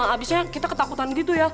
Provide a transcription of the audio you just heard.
abisnya kita ketakutan gitu ya